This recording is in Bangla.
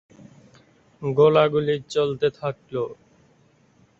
গোলাগুলি চলতে থাকল।